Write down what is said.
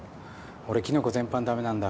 俺キノコ全般ダメなんだ。